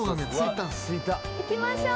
行きましょう。